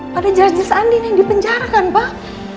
pada jelas jelas andin yang dipenjarakan pak